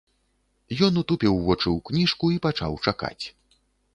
Ён утупіў вочы ў кніжку і пачаў чакаць.